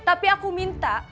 tapi aku minta